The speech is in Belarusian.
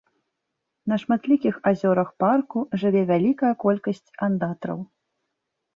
На шматлікіх азёрах парку жыве вялікая колькасць андатраў.